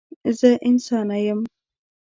زه انسانه یم.